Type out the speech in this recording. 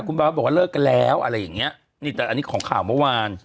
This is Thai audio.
คุณบอสบอกว่าเลิกกันแล้วอะไรอย่างเงี้ยนี่แต่อันนี้ของข่าวเมื่อวาน